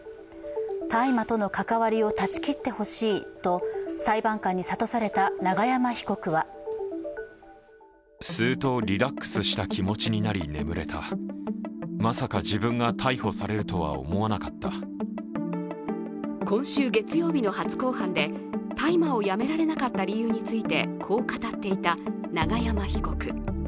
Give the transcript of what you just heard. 大麻との関わりを断ち切ってほしいと裁判官に諭された永山被告は今週月曜日の初公判で大麻をやめられなかった理由についてこう語っていた永山被告。